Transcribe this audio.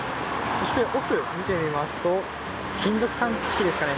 そして奥を見てみますと金属探知機ですかね